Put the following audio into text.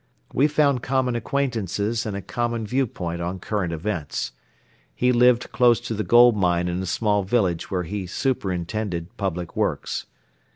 We found common acquaintances and a common viewpoint on current events. He lived close to the gold mine in a small village where he superintended public works.